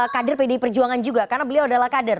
kader pdi perjuangan juga karena beliau adalah kader